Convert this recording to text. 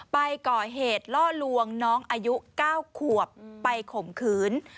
ไปก่อเหตุล่อลวงน้องอายุ๙ขวบไปข่มขืน